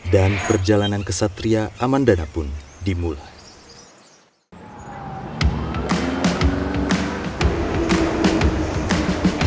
dan perjalanan kesatria amandana pun dimulai